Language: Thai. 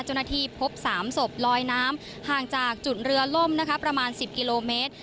เจ้าหน้าที่พบ๓ศพลอยน้ำห่างจากจุดเรือล่มนะคะประมาณ๑๐กิโลเมตร